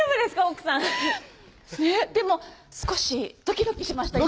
奥さんでも少しドキドキしました